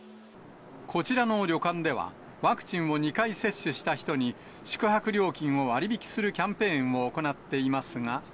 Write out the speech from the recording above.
こちらの旅館では、ワクチンを２回接種した人に、宿泊料金を割引するキャンペーンを行っていますが。